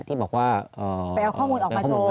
ที่บอกว่าไปเอาข้อมูลออกมาโชว์